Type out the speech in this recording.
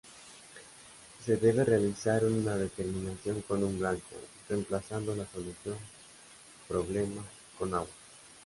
Se debe realizar una determinación con un blanco, reemplazando la solución problema con agua.